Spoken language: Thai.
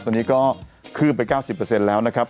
ตอนนี้ก็ขึ้นไป๙๐แล้วนะครับ